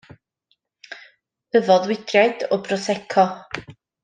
Yfodd wydriad o brosecco.